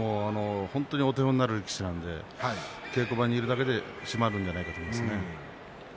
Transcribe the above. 本当にお手本になる力士なので稽古場にいるだけで締まるんじゃないかと思いますね。